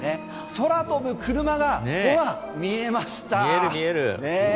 空飛ぶ車が見えました。